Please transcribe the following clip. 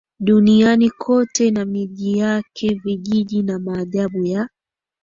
duniani kote na miji yake vijiji na maajabu ya